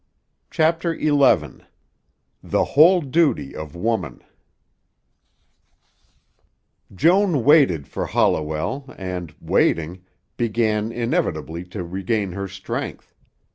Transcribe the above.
CHAPTER XI THE WHOLE DUTY OF WOMAN Joan waited for Holliwell and, waiting, began inevitably to regain her strength.